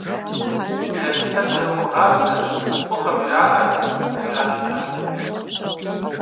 - Лэныстэр зэрыумыгъабзэ — фӏыкъым жаӏэр, - жиӏащ нанэ.